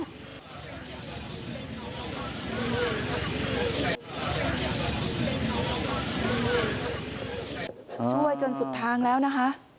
ช่วยจนสุดทางแล้วนะคะ